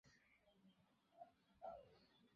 এত ভালো একটা মেয়ে কষ্ট করছে।